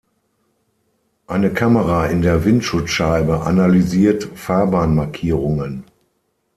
Eine Kamera in der Windschutzscheibe analysiert Fahrbahnmarkierungen.